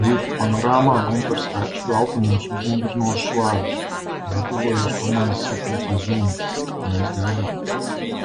Rīta Panorāmā Guntars Račs velta mums uzmundrinošus vārdus. Gatavojos komandas sapulcei Zūm. Mēs gaidām.